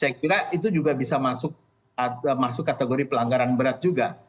saya kira itu juga bisa masuk kategori pelanggaran berat juga